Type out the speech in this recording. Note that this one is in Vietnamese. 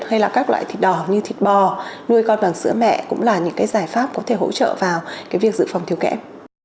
hay là các loại thịt đỏ như thịt bò nuôi con bằng sữa mẹ cũng là những giải pháp có thể hỗ trợ vào việc dự phòng thiếu kẽm